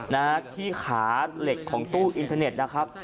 นะฮะที่ขาเหล็กของตู้อินเทอร์เน็ตนะครับ